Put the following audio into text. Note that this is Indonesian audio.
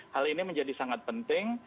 hal ini menjadi sangat penting